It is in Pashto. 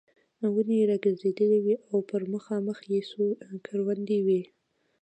ونې را ګرځېدلې وې او پر مخامخ یې څو کروندې وې.